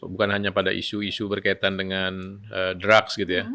bukan hanya pada isu isu berkaitan dengan drugs gitu ya